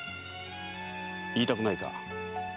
言いたくないか？